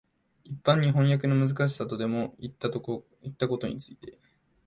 一般に飜訳のむずかしさとでもいったことについて、